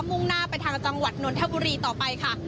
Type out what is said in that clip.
มุ่งหน้าไปทางจังหวัดนนทบุรีต่อไปค่ะ